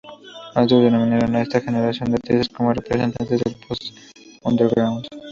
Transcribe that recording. Otros denominaron a esta generación de artistas como representantes del "pos-underground".